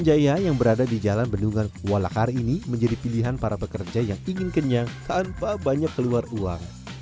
jaya yang berada di jalan bendungan walakar ini menjadi pilihan para pekerja yang ingin kenyang